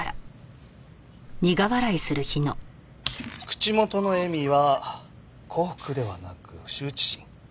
口元の笑みは幸福ではなく羞恥心。